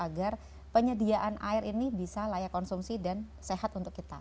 agar penyediaan air ini bisa layak konsumsi dan sehat untuk kita